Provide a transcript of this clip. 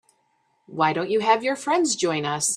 Why don't you have your friends join us?